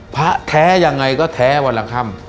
พระเท่ไงก็แพ้วันละครั้ง